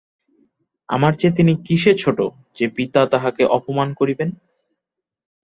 আমাদের চেয়ে তিনি কিসে ছােট যে, পিতা তাঁহাকে অপমান করিবেন?